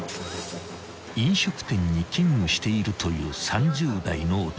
［飲食店に勤務しているという］